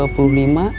terus gimana atukang